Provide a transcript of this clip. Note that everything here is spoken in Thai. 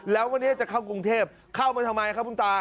แล้ววันนี้จะเข้ากรุงเทพเข้ามาทำไมครับคุณตา